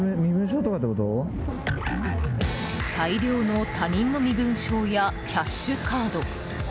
大量の他人の身分証やキャッシュカード。